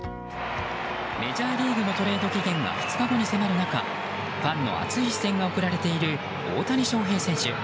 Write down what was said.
メジャーリーグのトレード期限が２日後に迫る中ファンの熱い視線が送られている大谷翔平選手。